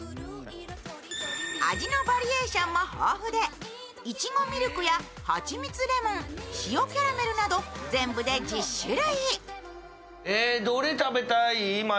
味のバリエーションも豊富でいちごミルクやはちみつレモン、塩キャラメルなど全部で１０種類。